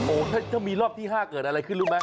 โอ้โหถ้ามีรอบที่๕เกิดอะไรขึ้นรู้ไหม